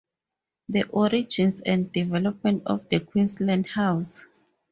The origins and development of the Queensland house.